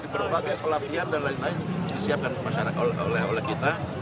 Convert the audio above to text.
berbagai pelatihan dan lain lain disiapkan oleh kita